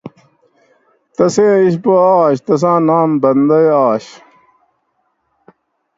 تسیں اۤ اِشپو آش تساں نام بندئی آش